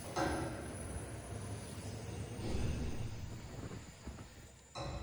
Tiene ciento cincuenta y dos páginas.